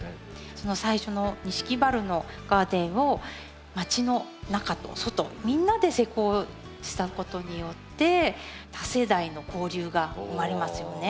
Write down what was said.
最初の錦原のガーデンをまちの中と外みんなで施工したことによって多世代の交流が生まれますよね。